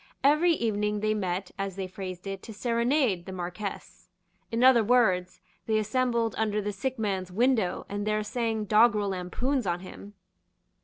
Every evening they met, as they phrased it, to serenade the Marquess. In other words they assembled under the sick man's window, and there sang doggrel lampoons on him.